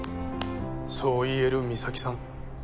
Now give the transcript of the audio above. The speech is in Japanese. そう言える美咲さん